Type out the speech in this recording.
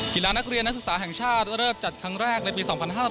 กีฬานักเรียนนักศึกษาแห่งชาติเริ่มจัดครั้งแรกในปี๒๕๕๙